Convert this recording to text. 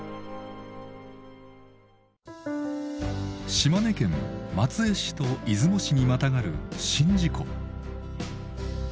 島根県松江市と出雲市にまたがる宍道湖。